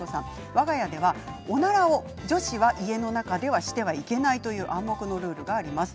わが家ではおならを女子は家の中ではしてはいけないという暗黙のルールがあります。